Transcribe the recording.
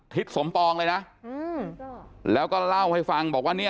ทิศสมปองเลยนะแล้วก็เล่าให้ฟังบอกว่าเนี่ย